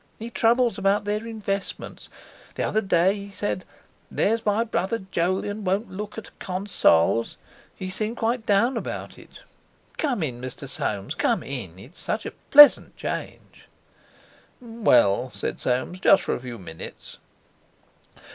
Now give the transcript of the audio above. He troubles about their investments. The other day he said: 'There's my brother Jolyon won't look at Consols'—he seemed quite down about it. Come in, Mr. Soames, come in! It's such a pleasant change!" "Well," said Soames, "just for a few minutes."